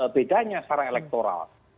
bedanya secara elektoral